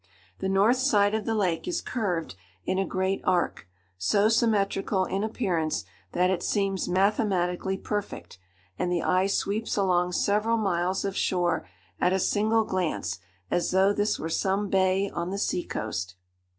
The north side of the lake is curved in a great arc, so symmetrical in appearance that it seems mathematically perfect, and the eye sweeps along several miles of shore at a single glance as though this were some bay on the sea coast.